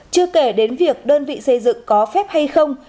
chưa kể đến việc đơn vị xây dựng có phép hay không